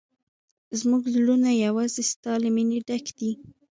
زموږ زړونه یوازې ستا له مینې ډک دي.